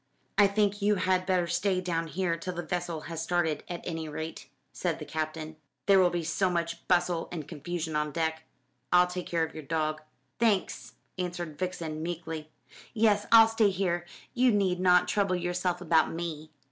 "I think you had better stay down here till the vessel has started, at any rate," said the Captain, "there will be so much bustle and confusion on deck. I'll take care of your dog." "Thanks," answered Vixen meekly. "Yes, I'll stay here you need not trouble yourself about me."